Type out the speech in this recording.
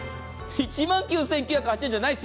１万９９８０円じゃないです。